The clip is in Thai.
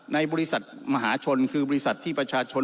ในบริษัทมหาชนคือบริษัทที่ประชาชน